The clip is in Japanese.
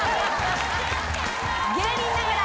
芸人ながら